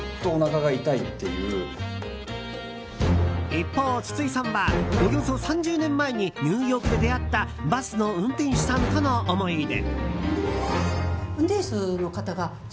一方、筒井さんはおよそ３０年前にニューヨークで出会ったバスの運転手さんとの思い出。